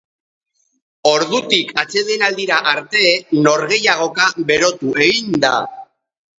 Ordutik atsedenaldira arte, norgehiagoka berotu egin da.